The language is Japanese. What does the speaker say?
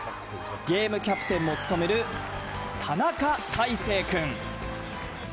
ゲームキャプテンも務める田中大誠君。